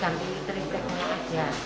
kita tinggal ganti tripleknya aja